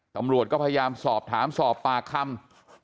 ตำรวจก็พยายามสอบถามสอบปากคำ